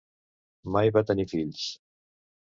Mai va tenir fills.